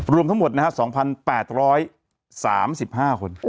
รวมทั้งหมด๒๘๓๕คน